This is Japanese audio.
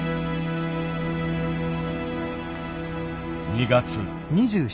２月。